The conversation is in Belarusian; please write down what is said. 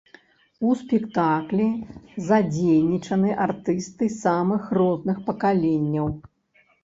У спектаклі задзейнічаны артысты самых розных пакаленняў.